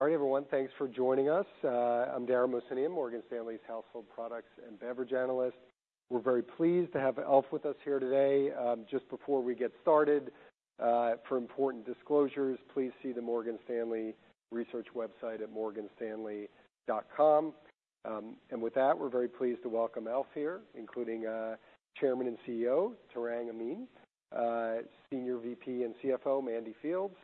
All right, everyone, thanks for joining us. I'm Dara Mohsenian, Morgan Stanley's Household Products and Beverage analyst. We're very pleased to have e.l.f. with us here today. Just before we get started, for important disclosures, please see the Morgan Stanley research website at morganstanley.com. And with that, we're very pleased to welcome e.l.f. here, including Chairman and CEO Tarang Amin, Senior VP and CFO Mandy Fields,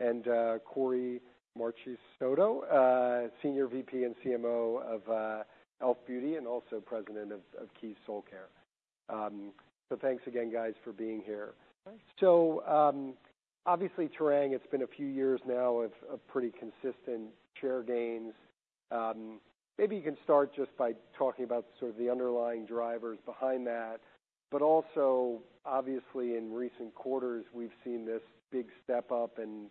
and Kory Marchisotto, Senior VP and CMO of e.l.f. Beauty, and also President of Keys Soulcare. So thanks again, guys, for being here. So obviously, Tarang, it's been a few years now of pretty consistent share gains. Maybe you can start just by talking about sort of the underlying drivers behind that, but also, obviously, in recent quarters, we've seen this big step up and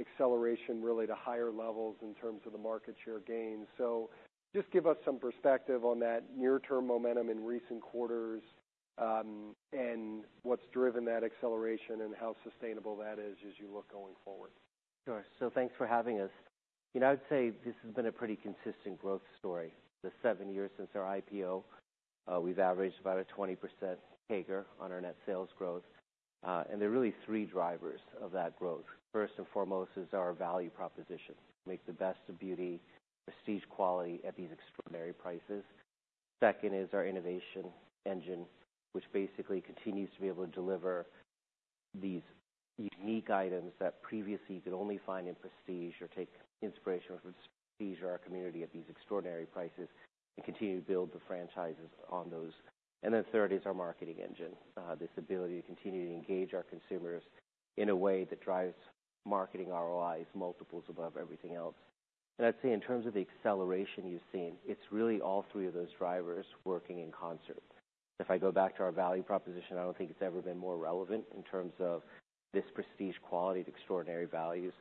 acceleration really to higher levels in terms of the market share gains. So just give us some perspective on that near-term momentum in recent quarters, and what's driven that acceleration and how sustainable that is as you look going forward. Sure. So thanks for having us. You know, I'd say this has been a pretty consistent growth story. The seven years since our IPO, we've averaged about a 20% CAGR on our net sales growth, and there are really three drivers of that growth. First and foremost is our value proposition. Make the best of beauty, prestige quality at these extraordinary prices. Second is our innovation engine, which basically continues to be able to deliver these unique items that previously you could only find in prestige or take inspiration from prestige or our community at these extraordinary prices, and continue to build the franchises on those. And then third is our marketing engine. This ability to continue to engage our consumers in a way that drives marketing ROIs, multiples above everything else. I'd say in terms of the acceleration you've seen, it's really all three of those drivers working in concert. If I go back to our value proposition, I don't think it's ever been more relevant in terms of this prestige quality at extraordinary values.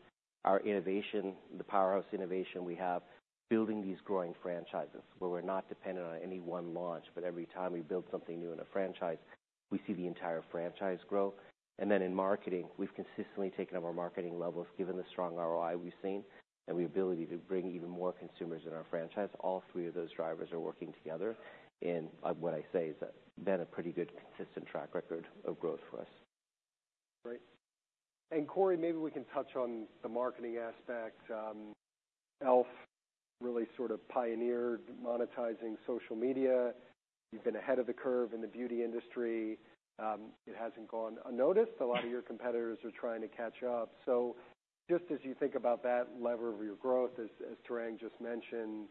Our innovation, the powerhouse innovation we have, building these growing franchises, where we're not dependent on any one launch, but every time we build something new in a franchise, we see the entire franchise grow. And then in marketing, we've consistently taken up our marketing levels, given the strong ROI we've seen and the ability to bring even more consumers in our franchise. All three of those drivers are working together in, what I say, is that been a pretty good, consistent track record of growth for us. Great. And Kory, maybe we can touch on the marketing aspect. e.l.f. really sort of pioneered monetizing social media. You've been ahead of the curve in the beauty industry. It hasn't gone unnoticed. A lot of your competitors are trying to catch up. So just as you think about that lever of your growth, as Tarang just mentioned,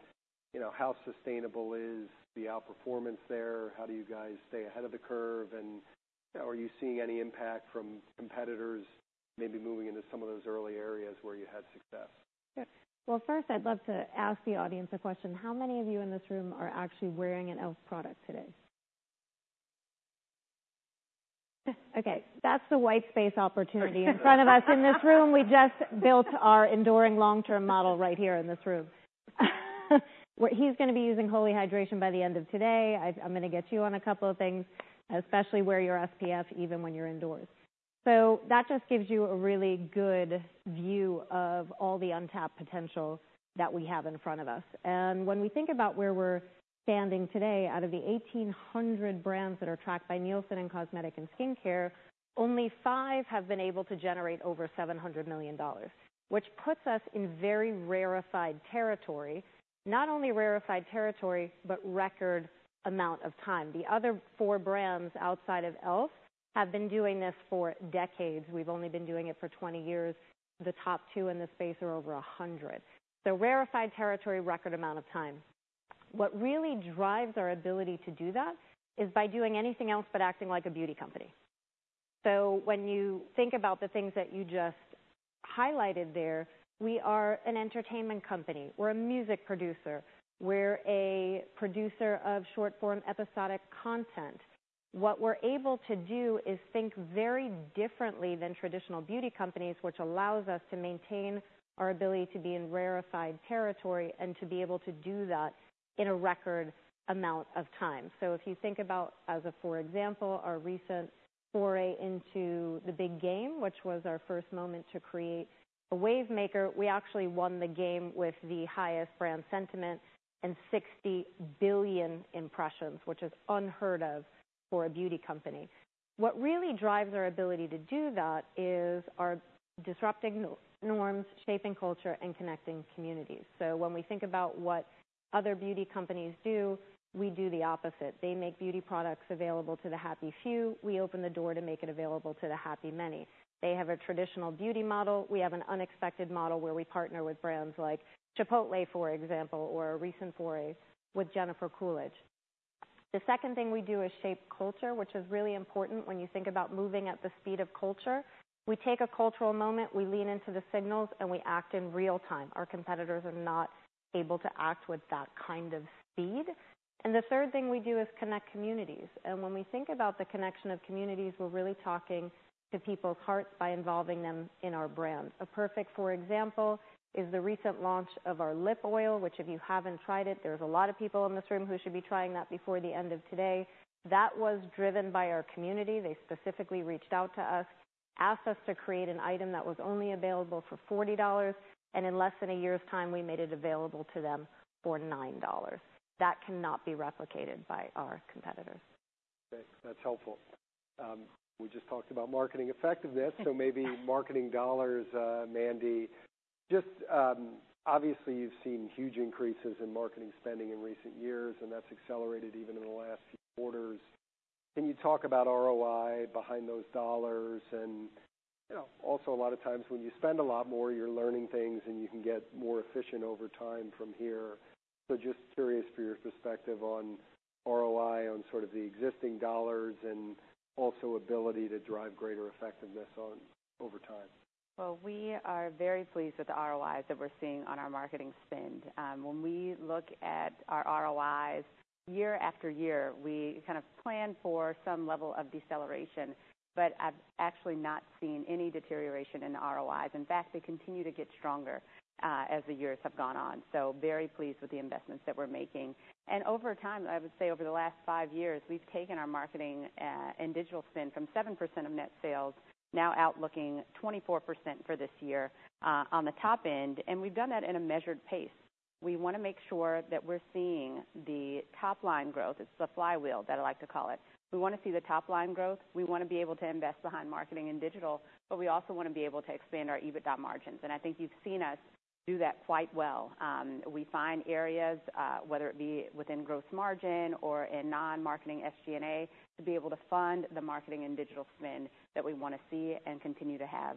you know, how sustainable is the outperformance there? How do you guys stay ahead of the curve? And are you seeing any impact from competitors maybe moving into some of those early areas where you had success? Well, first, I'd love to ask the audience a question. How many of you in this room are actually wearing an e.l.f. product today? Okay, that's the white space opportunity in front of us. In this room, we just built our enduring long-term model right here in this room. He's going to be using Holy Hydration by the end of today. I, I'm going to get you on a couple of things, especially wear your SPF, even when you're indoors. So that just gives you a really good view of all the untapped potential that we have in front of us. And when we think about where we're standing today, out of the 1,800 brands that are tracked by Nielsen in cosmetics and skincare, only five have been able to generate over $700 million, which puts us in very rarefied territory. Not only rarefied territory, but record amount of time. The other four brands outside of e.l.f. have been doing this for decades. We've only been doing it for 20 years. The top two in this space are over 100. So rarefied territory, record amount of time. What really drives our ability to do that is by doing anything else but acting like a beauty company. So when you think about the things that you just highlighted there, we are an entertainment company. We're a music producer. We're a producer of short-form episodic content. What we're able to do is think very differently than traditional beauty companies, which allows us to maintain our ability to be in rarefied territory and to be able to do that in a record amount of time. So if you think about, as a for example, our recent foray into the big game, which was our first moment to create a wavemaker, we actually won the game with the highest brand sentiment and 60 billion impressions, which is unheard of for a beauty company. What really drives our ability to do that is our disrupting norms, shaping culture, and connecting communities. So when we think about what other beauty companies do, we do the opposite. They make beauty products available to the happy few. We open the door to make it available to the happy many. They have a traditional beauty model. We have an unexpected model where we partner with brands like Chipotle, for example, or a recent foray with Jennifer Coolidge. The second thing we do is shape culture, which is really important when you think about moving at the speed of culture. We take a cultural moment, we lean into the signals, and we act in real time. Our competitors are not able to act with that kind of speed. And the third thing we do is connect communities. And when we think about the connection of communities, we're really talking to people's hearts by involving them in our brand. A perfect example is the recent launch of our lip oil, which, if you haven't tried it, there's a lot of people in this room who should be trying that before the end of today. That was driven by our community. They specifically reached out to us and asked us to create an item that was only available for $40, and in less than a year's time, we made it available to them for $9. That cannot be replicated by our competitors. Okay, that's helpful. We just talked about marketing effectiveness, so maybe marketing dollars, Mandy. Just, obviously, you've seen huge increases in marketing spending in recent years, and that's accelerated even in the last few quarters. Can you talk about ROI behind those dollars? And, you know, also, a lot of times, when you spend a lot more, you're learning things, and you can get more efficient over time from here. So just curious for your perspective on ROI, on sort of the existing dollars and also ability to drive greater effectiveness on over time. Well, we are very pleased with the ROIs that we're seeing on our marketing spend. When we look at our ROIs year after year, we kind of plan for some level of deceleration, but I've actually not seen any deterioration in the ROIs. In fact, they continue to get stronger, as the years have gone on. So very pleased with the investments that we're making. And over time, I would say over the last 5 years, we've taken our marketing, and digital spend from 7% of net sales, now outlooking 24% for this year, on the top end, and we've done that in a measured pace. We wanna make sure that we're seeing the top-line growth. It's the flywheel that I like to call it. We wanna see the top line growth. We wanna be able to invest behind marketing and digital, but we also wanna be able to expand our EBITDA margins, and I think you've seen us do that quite well. We find areas, whether it be within gross margin or in non-marketing SG&A, to be able to fund the marketing and digital spend that we wanna see and continue to have,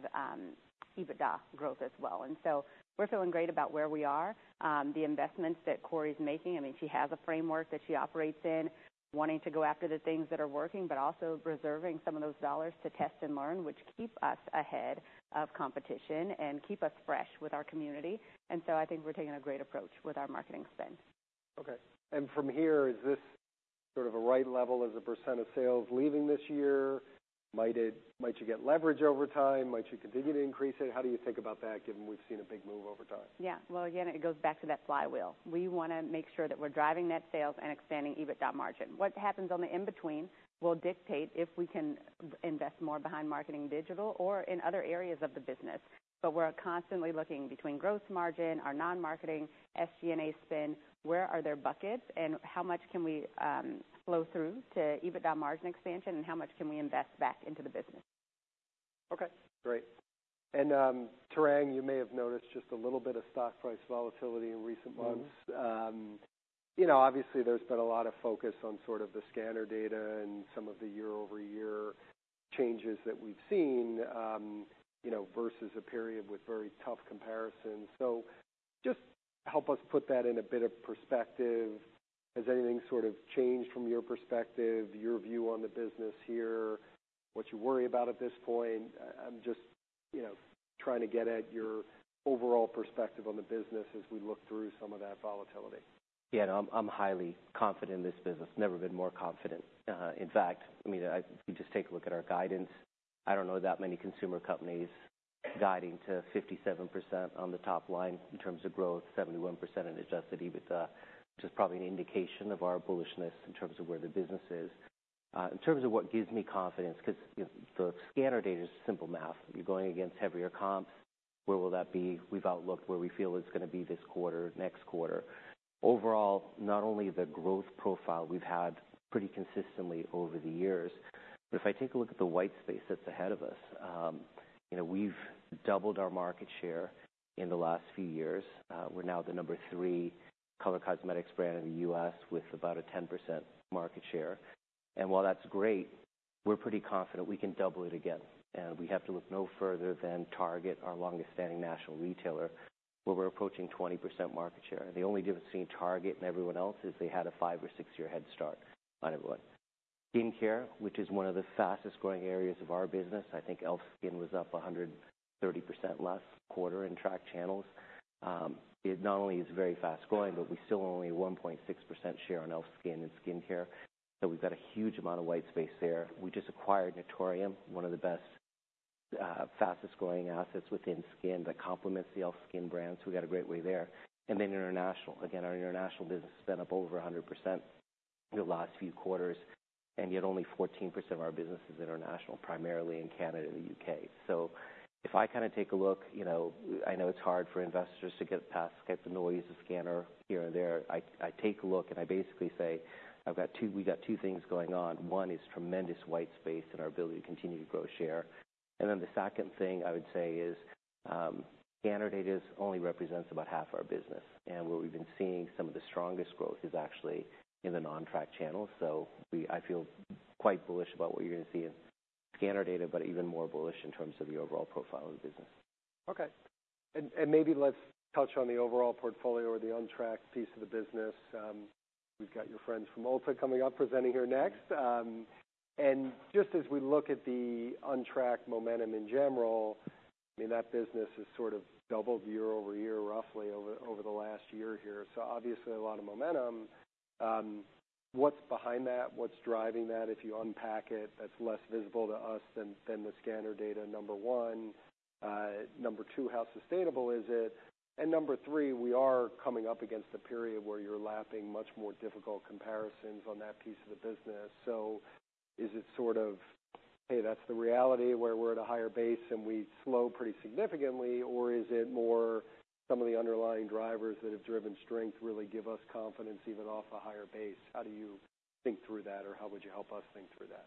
EBITDA growth as well. And so we're feeling great about where we are. The investments that Kory's making, I mean, she has a framework that she operates in, wanting to go after the things that are working, but also reserving some of those dollars to test and learn, which keep us ahead of competition and keep us fresh with our community. And so I think we're taking a great approach with our marketing spend. Okay. And from here, is this sort of a right level as a percent of sales leaving this year? Might you get leverage over time? Might you continue to increase it? How do you think about that, given we've seen a big move over time? Yeah. Well, again, it goes back to that flywheel. We wanna make sure that we're driving net sales and expanding EBITDA margin. What happens on the in between will dictate if we can invest more behind marketing digital or in other areas of the business. But we're constantly looking between growth margin, our non-marketing SG&A spend, where are there buckets, and how much can we flow through to EBITDA margin expansion, and how much can we invest back into the business? Okay, great. And, Tarang, you may have noticed just a little bit of stock price volatility in recent months. Mm-hmm. You know, obviously, there's been a lot of focus on sort of the scanner data and some of the year-over-year changes that we've seen, you know, versus a period with very tough comparisons. So just help us put that in a bit of perspective. Has anything sort of changed from your perspective, your view on the business here, what you worry about at this point? I'm just, you know, trying to get at your overall perspective on the business as we look through some of that volatility. Yeah, no, I'm highly confident in this business. Never been more confident. In fact, I mean, if you just take a look at our guidance, I don't know that many consumer companies guiding to 57% on the top line in terms of growth, 71% in adjusted EBITDA, which is probably an indication of our bullishness in terms of where the business is. In terms of what gives me confidence, because, you know, the scanner data is simple math. You're going against heavier comps. Where will that be? We've outlooked where we feel it's gonna be this quarter, next quarter. Overall, not only the growth profile we've had pretty consistently over the years, but if I take a look at the white space that's ahead of us, you know, we've doubled our market share in the last few years. We're now the number 3 color cosmetics brand in the U.S., with about a 10% market share. While that's great, we're pretty confident we can double it again, and we have to look no further than Target, our longest-standing national retailer, where we're approaching 20% market share. The only difference between Target and everyone else is they had a 5- or 6-year head start on everyone. Skincare, which is one of the fastest-growing areas of our business, I think e.l.f. SKIN was up 130% last quarter in tracked channels. It not only is very fast-growing, but we still only have 1.6% share on e.l.f. SKIN and skincare, so we've got a huge amount of white space there. We just acquired Naturium, one of the best, fastest-growing assets within skin that complements the e.l.f. Skin brand, so we got a great way there. Then international. Again, our international business has been up over 100% the last few quarters, and yet only 14% of our business is international, primarily in Canada and the U.K. So if I kind of take a look, you know, I know it's hard for investors to get past, get the noise of scanner here and there. I, I take a look, and I basically say, "I've got two-- we got two things going on. One is tremendous white space and our ability to continue to grow share. And then the second thing I would say is, scanner data is-- only represents about half of our business, and where we've been seeing some of the strongest growth is actually in the non-track channels. I feel quite bullish about what you're gonna see in scanner data, but even more bullish in terms of the overall profile of the business. Okay. And, and maybe let's touch on the overall portfolio or the on-track piece of the business. We've got your friends from Ulta coming up, presenting here next. And just as we look at the on-track momentum in general, I mean, that business has sort of doubled year-over-year, roughly over, over the last year here. So obviously, a lot of momentum. What's behind that? What's driving that, if you unpack it, that's less visible to us than, than the scanner data, number one? Number two, how sustainable is it? And number three, we are coming up against a period where you're lapping much more difficult comparisons on that piece of the business. Is it sort of, hey, that's the reality, where we're at a higher base and we slow pretty significantly, or is it more some of the underlying drivers that have driven strength really give us confidence even off a higher base? How do you think through that, or how would you help us think through that?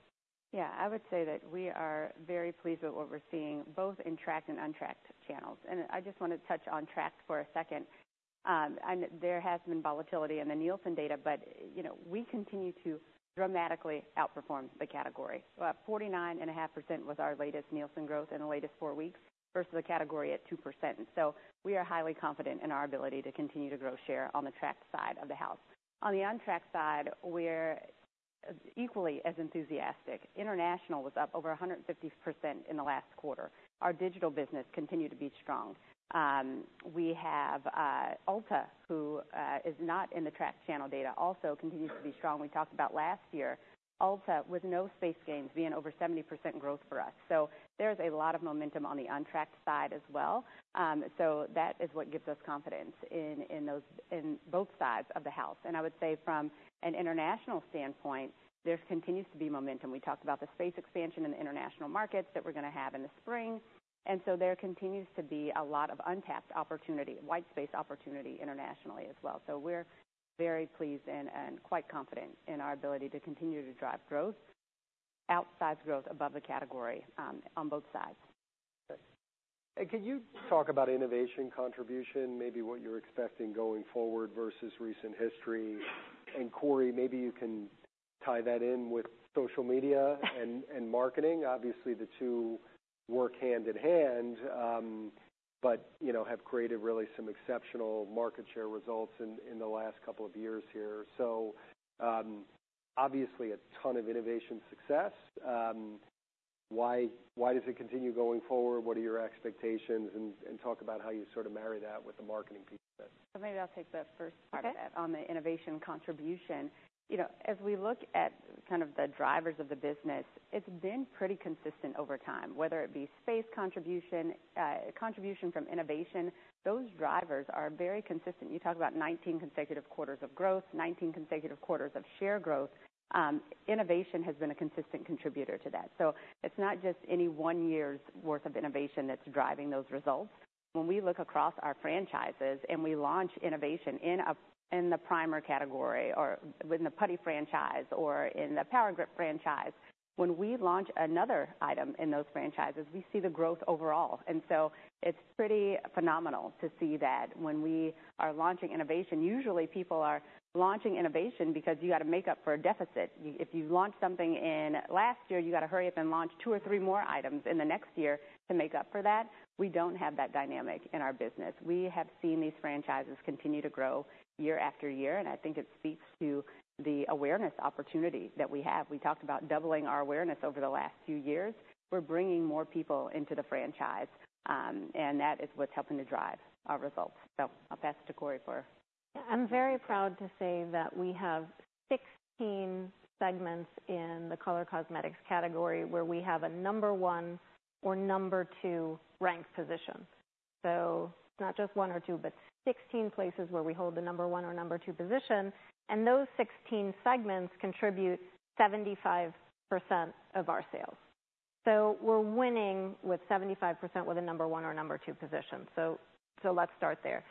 Yeah, I would say that we are very pleased with what we're seeing, both in tracked and untracked channels. I just want to touch on tracked for a second. There has been volatility in the Nielsen data, but, you know, we continue to dramatically outperform the category. 49.5% was our latest Nielsen growth in the latest four weeks, versus the category at 2%. So we are highly confident in our ability to continue to grow share on the tracked side of the house. On the untracked side, we're equally as enthusiastic. International was up over 150% in the last quarter. Our digital business continued to be strong. We have Ulta, who is not in the tracked channel data, also continues to be strong. We talked about last year, Ulta, with no space gains, being over 70% growth for us. So there's a lot of momentum on the untracked side as well. So that is what gives us confidence in both sides of the house. And I would say from an international standpoint, there continues to be momentum. We talked about the space expansion in the international markets that we're going to have in the spring, and so there continues to be a lot of untapped opportunity, white space opportunity internationally as well. So we're very pleased and quite confident in our ability to continue to drive growth, outsized growth above the category, on both sides. Okay. And can you talk about innovation contribution, maybe what you're expecting going forward versus recent history? And Kory, maybe you can tie that in with social media and marketing. Obviously, the two work hand in hand, but, you know, have created really some exceptional market share results in the last couple of years here. So, obviously, a ton of innovation success, why does it continue going forward? What are your expectations? And talk about how you sort of marry that with the marketing piece of it. Maybe I'll take the first part of that- Okay. On the innovation contribution. You know, as we look at kind of the drivers of the business, it's been pretty consistent over time, whether it be space contribution, contribution from innovation, those drivers are very consistent. You talk about 19 consecutive quarters of growth, 19 consecutive quarters of share growth, innovation has been a consistent contributor to that. So it's not just any one year's worth of innovation that's driving those results. When we look across our franchises and we launch innovation in the primer category or in the Putty franchise or in the Power Grip franchise, when we launch another item in those franchises, we see the growth overall. And so it's pretty phenomenal to see that when we are launching innovation, usually people are launching innovation because you got to make up for a deficit. If you've launched something in last year, you got to hurry up and launch two or three more items in the next year to make up for that. We don't have that dynamic in our business. We have seen these franchises continue to grow year after year, and I think it speaks to the awareness opportunity that we have. We talked about doubling our awareness over the last few years. We're bringing more people into the franchise, and that is what's helping to drive our results. So I'll pass it to Kory for... I'm very proud to say that we have 16 segments in the color cosmetics category, where we have a number one or number two ranked position. So not just one or two, but 16 places where we hold the number one or number two position, and those 16 segments contribute 75% of our sales. So we're winning with 75% with a number one or number two position. So, so let's start there.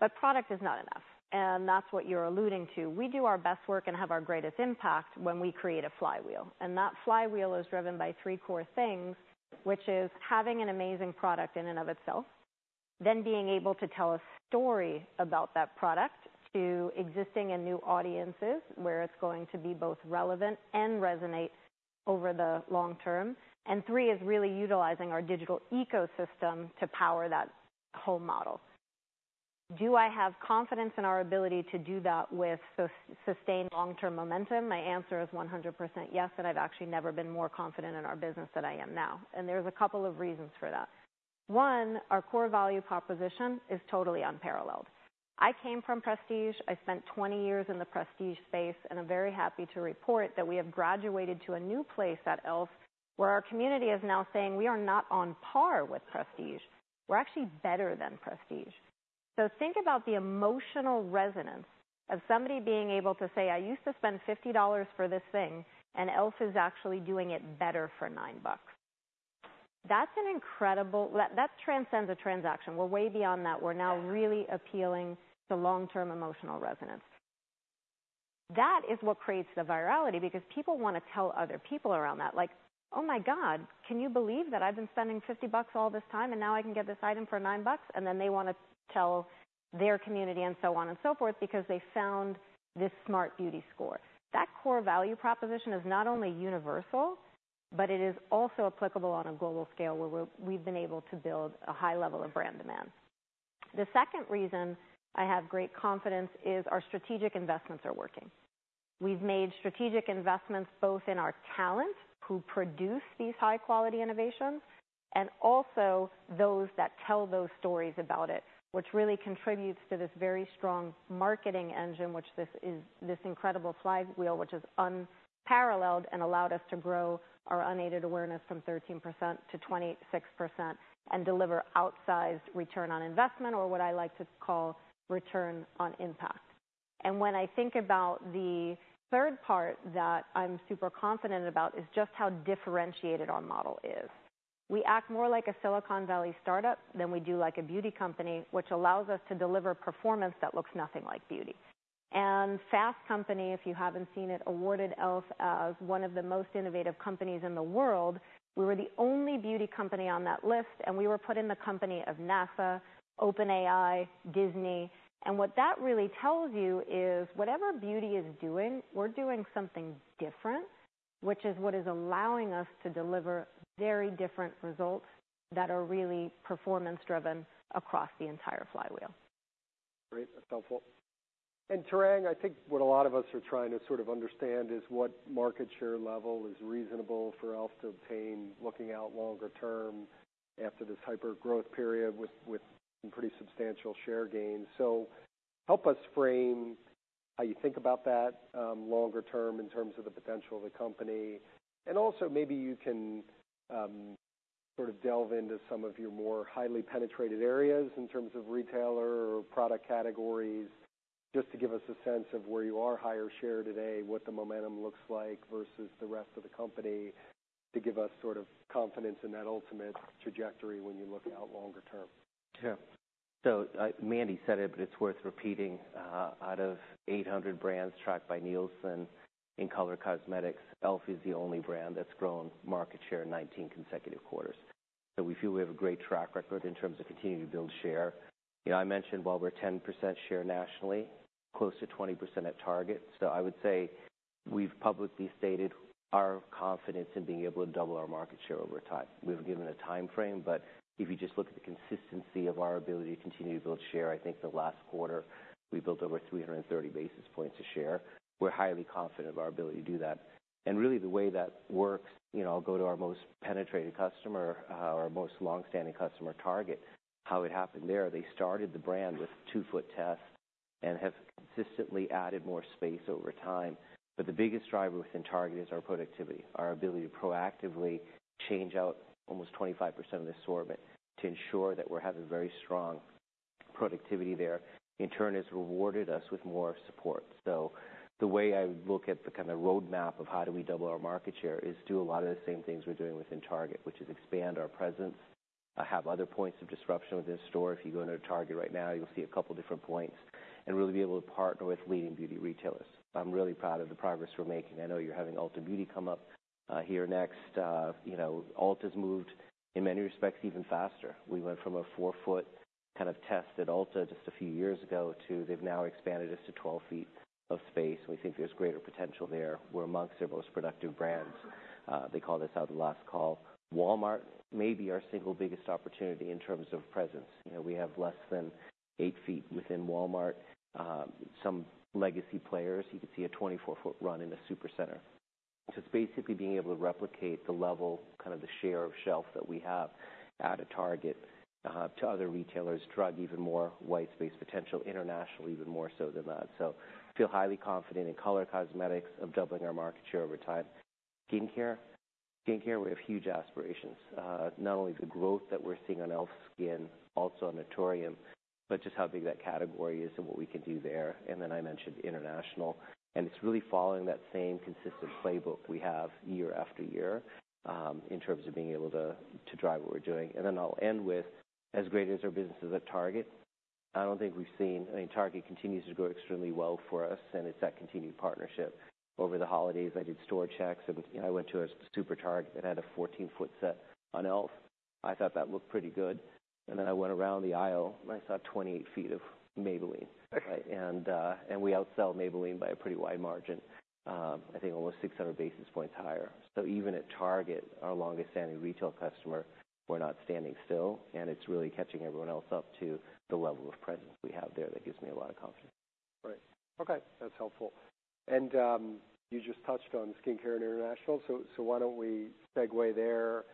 But product is not enough, and that's what you're alluding to. We do our best work and have our greatest impact when we create a flywheel, and that flywheel is driven by three core things, which is having an amazing product in and of itself, then being able to tell a story about that product to existing and new audiences, where it's going to be both relevant and resonate over the long term. And three, is really utilizing our digital ecosystem to power that whole model. Do I have confidence in our ability to do that with sustained long-term momentum? My answer is 100% yes, and I've actually never been more confident in our business than I am now, and there's a couple of reasons for that. One, our core value proposition is totally unparalleled. I came from prestige. I spent 20 years in the prestige space, and I'm very happy to report that we have graduated to a new place at e.l.f., where our community is now saying, "We are not on par with prestige. We're actually better than prestige." So think about the emotional resonance of somebody being able to say, "I used to spend $50 for this thing, and e.l.f. is actually doing it better for $9." That's an incredible. That transcends a transaction. We're way beyond that. We're now really appealing to long-term emotional resonance. That is what creates the virality, because people want to tell other people around that, like, "Oh, my God, can you believe that I've been spending $50 all this time, and now I can get this item for $9?" And then they want to tell their community and so on and so forth, because they found this smart beauty score. That core value proposition is not only universal, but it is also applicable on a global scale, where we're, we've been able to build a high level of brand demand. The second reason I have great confidence is our strategic investments are working. We've made strategic investments, both in our talent, who produce these high quality innovations, and also those that tell those stories about it, which really contributes to this very strong marketing engine, which this is, this incredible flywheel, which is unparalleled and allowed us to grow our unaided awareness from 13% to 26% and deliver outsized return on investment, or what I like to call return on impact. When I think about the third part that I'm super confident about, is just how differentiated our model is. We act more like a Silicon Valley startup than we do like a beauty company, which allows us to deliver performance that looks nothing like beauty. Fast Company, if you haven't seen it, awarded e.l.f. as one of the most innovative companies in the world. We were the only beauty company on that list, and we were put in the company of NASA, OpenAI, Disney. What that really tells you is whatever beauty is doing, we're doing something different, which is what is allowing us to deliver very different results that are really performance driven across the entire flywheel. Great, that's helpful. Tarang, I think what a lot of us are trying to sort of understand is what market share level is reasonable for e.l.f. to obtain, looking out longer term after this hyper-growth period with some pretty substantial share gains. So help us frame how you think about that, longer term in terms of the potential of the company. And also, maybe you can sort of delve into some of your more highly penetrated areas in terms of retailer or product categories, just to give us a sense of where you are higher share today, what the momentum looks like versus the rest of the company, to give us sort of confidence in that ultimate trajectory when you look out longer term. Sure. So, Mandy said it, but it's worth repeating, out of 800 brands tracked by Nielsen in color cosmetics, e.l.f. is the only brand that's grown market share 19 consecutive quarters. So we feel we have a great track record in terms of continuing to build share. You know, I mentioned, while we're 10% share nationally, close to 20% at Target. So I would say we've publicly stated our confidence in being able to double our market share over time. We've given a timeframe, but if you just look at the consistency of our ability to continue to build share, I think the last quarter, we built over 330 basis points of share. We're highly confident of our ability to do that. Really, the way that works, you know, I'll go to our most penetrated customer, our most long-standing customer, Target, how it happened there. They started the brand with two-foot test and have consistently added more space over time. But the biggest driver within Target is our productivity, our ability to proactively change out almost 25% of the assortment to ensure that we're having very strong productivity there. In turn, it's rewarded us with more support. So the way I look at the kind of roadmap of how do we double our market share is do a lot of the same things we're doing within Target, which is expand our presence, have other points of disruption within the store. If you go into Target right now, you'll see a couple different points, and really be able to partner with leading beauty retailers. I'm really proud of the progress we're making. I know you're having Ulta Beauty come up, here next. You know, Ulta's moved, in many respects, even faster. We went from a 4-foot kind of test at Ulta just a few years ago to they've now expanded us to 12 feet of space. We think there's greater potential there. We're amongst their most productive brands. They called us out the last call. Walmart may be our single biggest opportunity in terms of presence. You know, we have less than 8 feet within Walmart. Some legacy players, you could see a 24-foot run in a Supercenter. So it's basically being able to replicate the level, kind of the share of shelf that we have at a Target, to other retailers. Drug, even more white space potential, international, even more so than that. So feel highly confident in color cosmetics of doubling our market share over time. Skincare. Skincare, we have huge aspirations, not only the growth that we're seeing on e.l.f. SKIN, also on Naturium, but just how big that category is and what we can do there. And then I mentioned international, and it's really following that same consistent playbook we have year after year, in terms of being able to to drive what we're doing. And then I'll end with, as great as our business is at Target, I don't think we've seen—I mean, Target continues to grow extremely well for us, and it's that continued partnership. Over the holidays, I did store checks, and I went to a SuperTarget that had a 14-foot set on e.l.f. I thought that looked pretty good. And then I went around the aisle, and I saw 28 feet of Maybelline. And we outsell Maybelline by a pretty wide margin, I think almost 600 basis points higher. So even at Target, our longest-standing retail customer, we're not standing still, and it's really catching everyone else up to the level of presence we have there. That gives me a lot of confidence. Great. Okay, that's helpful. And you just touched on skincare and international, so why don't we segue there?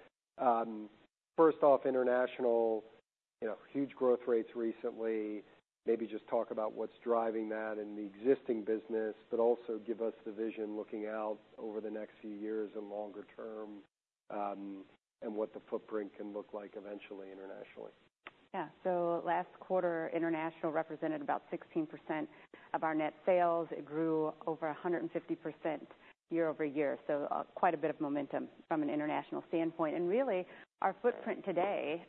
First off, international, you know, huge growth rates recently. Maybe just talk about what's driving that in the existing business, but also give us the vision looking out over the next few years and longer term, and what the footprint can look like eventually internationally. Yeah. So last quarter, international represented about 16% of our net sales. It grew over 150% year-over-year, so quite a bit of momentum from an international standpoint. And really, our footprint today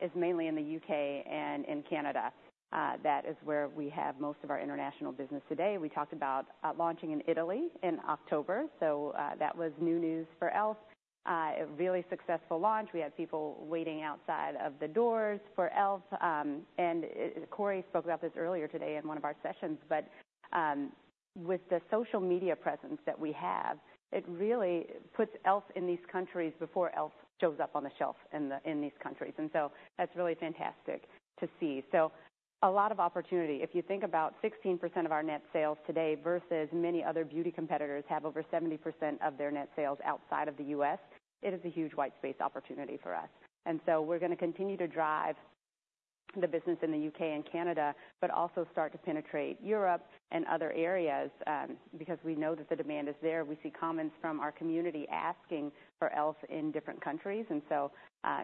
is mainly in the U.K. and in Canada. That is where we have most of our international business today. We talked about launching in Italy in October, so that was new news for e.l.f. A really successful launch. We had people waiting outside of the doors for e.l.f. And Kory spoke about this earlier today in one of our sessions, but with the social media presence that we have, it really puts e.l.f. in these countries before e.l.f. shows up on the shelf in these countries. And so that's really fantastic to see. So... A lot of opportunity. If you think about 16% of our net sales today versus many other beauty competitors have over 70% of their net sales outside of the U.S., it is a huge white space opportunity for us. And so we're gonna continue to drive the business in the U.K. and Canada, but also start to penetrate Europe and other areas, because we know that the demand is there. We see comments from our community asking for e.l.f. in different countries. And so,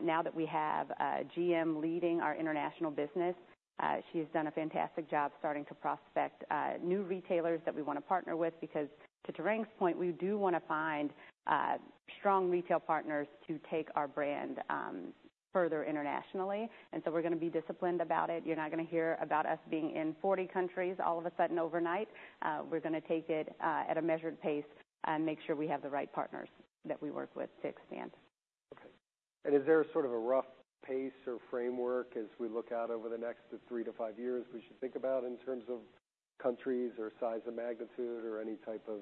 now that we have a GM leading our international business, she has done a fantastic job starting to prospect new retailers that we wanna partner with, because to Tarang's point, we do wanna find strong retail partners to take our brand further internationally, and so we're gonna be disciplined about it. You're not gonna hear about us being in 40 countries all of a sudden, overnight. We're gonna take it at a measured pace and make sure we have the right partners that we work with to expand. Okay. Is there sort of a rough pace or framework as we look out over the next three to five years we should think about in terms of countries or size or magnitude or any type of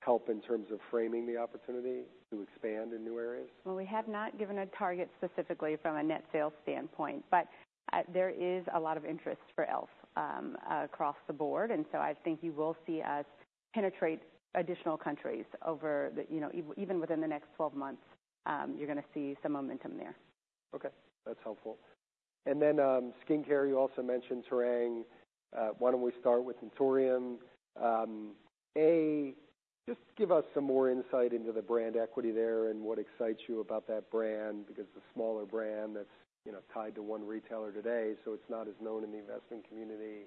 help in terms of framing the opportunity to expand in new areas? Well, we have not given a target specifically from a net sales standpoint, but there is a lot of interest for e.l.f. across the board, and so I think you will see us penetrate additional countries over the, you know, even within the next 12 months, you're gonna see some momentum there. Okay, that's helpful. And then, skincare, you also mentioned, Tarang. Why don't we start with Naturium? A, just give us some more insight into the brand equity there and what excites you about that brand, because it's a smaller brand that's, you know, tied to one retailer today, so it's not as known in the investment community.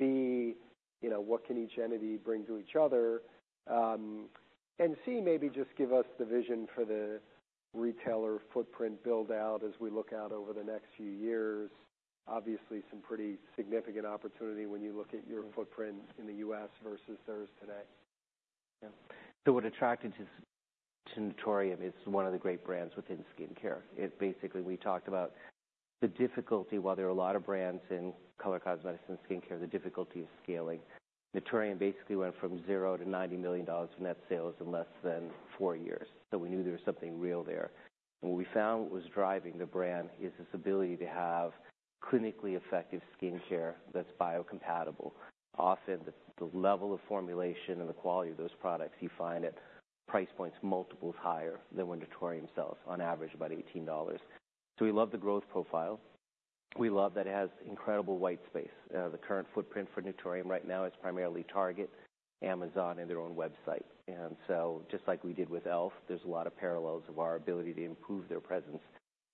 B, you know, what can each entity bring to each other? And C, maybe just give us the vision for the retailer footprint build-out as we look out over the next few years. Obviously, some pretty significant opportunity when you look at your footprint in the U.S. versus theirs today. Yeah. So what attracted us to Naturium, it's one of the great brands within skincare. It basically, we talked about the difficulty, while there are a lot of brands in color cosmetics and skincare, the difficulty is scaling. Naturium basically went from zero to $90 million in net sales in less than four years, so we knew there was something real there. And what we found was driving the brand is this ability to have clinically effective skincare that's biocompatible. Often, the level of formulation and the quality of those products, you find at price points multiples higher than what Naturium sells, on average, about $18. So we love the growth profile. We love that it has incredible white space. The current footprint for Naturium right now is primarily Target, Amazon, and their own website. And so just like we did with e.l.f., there's a lot of parallels of our ability to improve their presence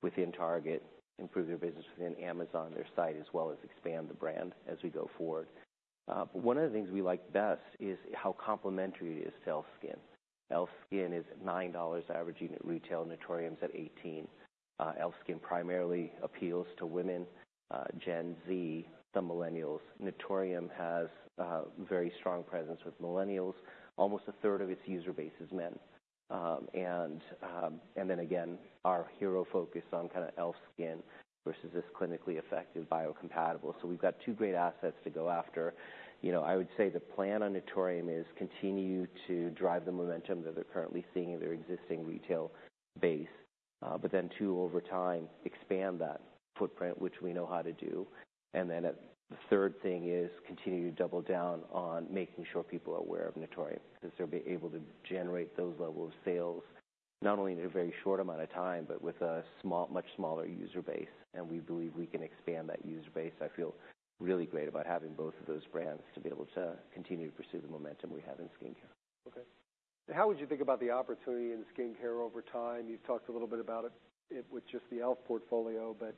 within Target, improve their business within Amazon, their site, as well as expand the brand as we go forward. But one of the things we like best is how complementary it is to e.l.f. SKIN. e.l.f. SKIN is $9 average unit retail, Naturium's at $18. e.l.f. SKIN primarily appeals to women, Gen Z, the millennials. Naturium has very strong presence with millennials. Almost a third of its user base is men. And then again, our hero focus on kinda e.l.f. SKIN versus this clinically effective biocompatible. So we've got two great assets to go after. You know, I would say the plan on Naturium is continue to drive the momentum that they're currently seeing in their existing retail base, but then two, over time, expand that footprint, which we know how to do. And then the third thing is continue to double down on making sure people are aware of Naturium, because they'll be able to generate those level of sales, not only in a very short amount of time, but with a much smaller user base, and we believe we can expand that user base. I feel really great about having both of those brands to be able to continue to pursue the momentum we have in skincare. Okay. How would you think about the opportunity in skincare over time? You've talked a little bit about it with just the e.l.f. portfolio, but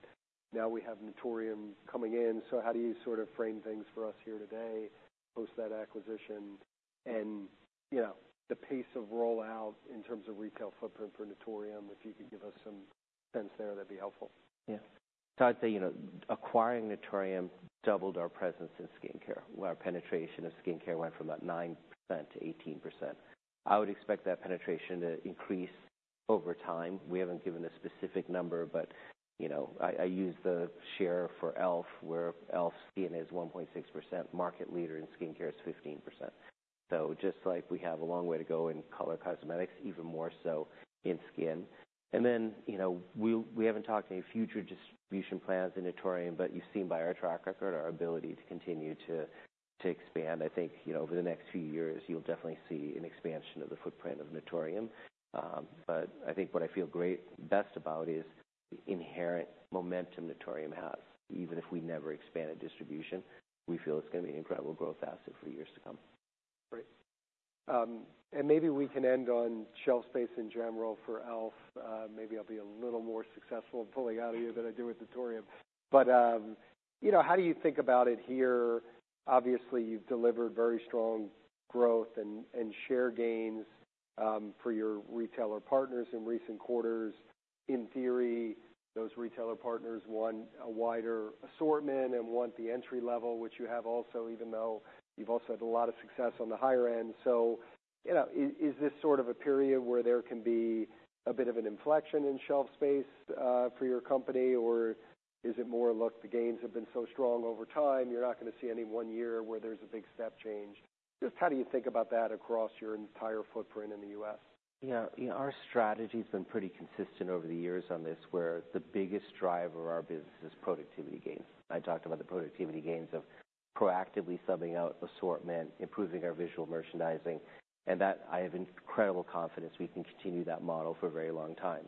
now we have Naturium coming in. So how do you sort of frame things for us here today, post that acquisition? And, you know, the pace of rollout in terms of retail footprint for Naturium, if you could give us some sense there, that'd be helpful. Yeah. So I'd say, you know, acquiring Naturium doubled our presence in skincare. Our penetration of skincare went from about 9% to 18%. I would expect that penetration to increase over time. We haven't given a specific number, but, you know, I, I use the share for e.l.f., where e.l.f. Skin is 1.6%, market leader in skincare is 15%. So just like we have a long way to go in color cosmetics, even more so in skin. And then, you know, we, we haven't talked any future distribution plans in Naturium, but you've seen by our track record, our ability to continue to, to expand. I think, you know, over the next few years, you'll definitely see an expansion of the footprint of Naturium. But I think what I feel great- best about is the inherent momentum Naturium has. Even if we never expand a distribution, we feel it's gonna be an incredible growth asset for years to come. Great. And maybe we can end on shelf space in general for e.l.f. Maybe I'll be a little more successful in pulling out of you than I did with Naturium. But, you know, how do you think about it here? Obviously, you've delivered very strong growth and share gains for your retailer partners in recent quarters. In theory, those retailer partners want a wider assortment and want the entry level, which you have also, even though you've also had a lot of success on the higher end. So, you know, is this sort of a period where there can be a bit of an inflection in shelf space for your company, or is it more, look, the gains have been so strong over time, you're not gonna see any one year where there's a big step change? Just how do you think about that across your entire footprint in the U.S.? Yeah. Our strategy's been pretty consistent over the years on this, where the biggest driver of our business is productivity gains. I talked about the productivity gains of proactively subbing out assortment, improving our visual merchandising, and that I have incredible confidence we can continue that model for a very long time.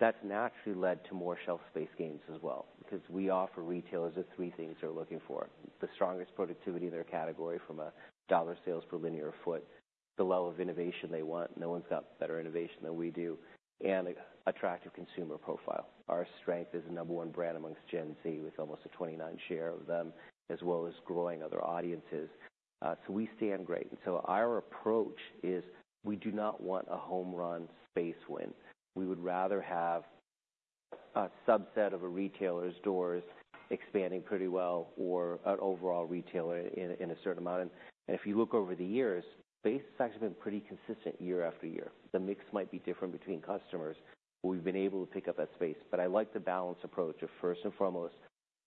That's naturally led to more shelf space gains as well, because we offer retailers the three things they're looking for: the strongest productivity in their category from a dollar sales per linear foot, the level of innovation they want, no one's got better innovation than we do, and attractive consumer profile. Our strength is the number one brand amongst Gen Z, with almost a 29% share of them, as well as growing other audiences. So we stand great. And so our approach is, we do not want a home run space win. We would rather have a subset of a retailer's doors expanding pretty well or an overall retailer in a certain amount. And if you look over the years, space has actually been pretty consistent year after year. The mix might be different between customers, but we've been able to pick up that space. But I like the balanced approach of, first and foremost,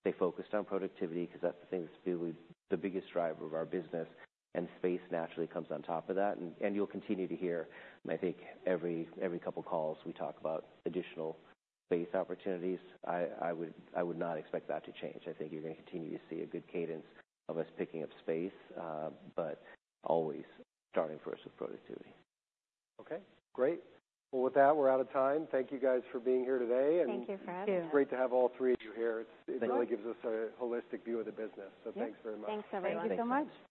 stay focused on productivity, because that's the thing, that's really the biggest driver of our business, and space naturally comes on top of that. And you'll continue to hear, I think, every couple calls, we talk about additional space opportunities. I would not expect that to change. I think you're gonna continue to see a good cadence of us picking up space, but always starting first with productivity. Okay, great. Well, with that, we're out of time. Thank you guys for being here today, and- Thank you for having us. Thank you. It's great to have all three of you here. Thank you. It really gives us a holistic view of the business, so thanks very much. Thanks, everyone, so much.